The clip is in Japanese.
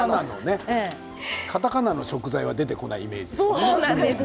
カタカナの食材が出てこないイメージですよね。